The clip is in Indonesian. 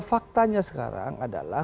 faktanya sekarang adalah